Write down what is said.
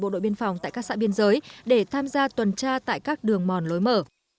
bộ đội biên phòng tại các xã biên giới để tham gia tuần tra tại các đường mòn lối mở